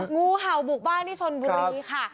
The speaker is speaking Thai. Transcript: งูเห่าบุกบ้านที่ชนบุรีค่ะ